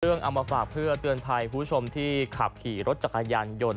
เอามาฝากเพื่อเตือนภัยคุณผู้ชมที่ขับขี่รถจักรยานยนต์